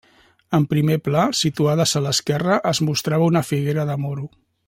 En primer pla, situades a l'esquerra, es mostrava una figuera de moro.